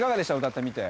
歌ってみて。